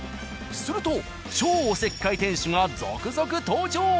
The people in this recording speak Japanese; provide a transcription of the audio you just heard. すると超おせっかい店主が続々登場！